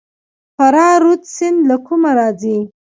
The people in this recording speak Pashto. فراه رود سیند له کومه راځي؟